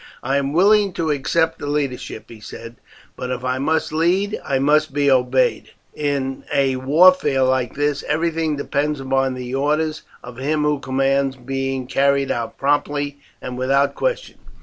"I am willing to accept the leadership," he said; "but if I must lead I must be obeyed. In a warfare like this everything depends upon the orders of him who commands being carried out promptly and without question.